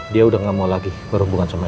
dia udah gak mau lagi berhubungan sama